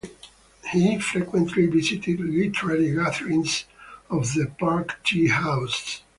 He frequently visited literary gatherings of the Pak Tea House.